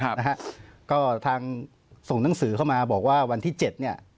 นะฮะก็ทางส่งหนังสือเข้ามาบอกว่าวันที่เจ็ดเนี้ย